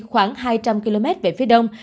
khoảng hai trăm linh km về phía đông